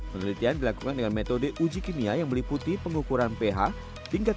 penelitian dilakukan dengan metode uji kimia yang meliputi pengukuran ph tingkat